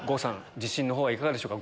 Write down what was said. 自信の方はいかがでしょうか？